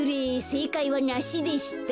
せいかいはナシでした。